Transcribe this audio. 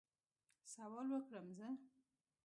سوال وکړم زه؟